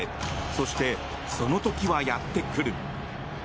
そして、その時はやってくる。